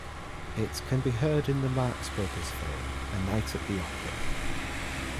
It can be heard in the Marx Brothers film "A Night at the Opera".